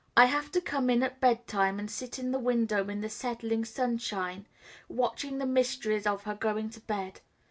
I love to come in at bed time and sit in the window in the setting sunshine watching the mysteries of her going to bed.